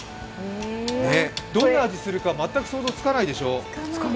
どんな味するか全く想像つかないでしょう。